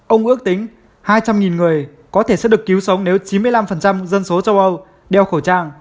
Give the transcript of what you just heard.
ông ước tính hai trăm linh người có thể sẽ được cứu sống nếu chín mươi năm dân số châu âu đeo khẩu trang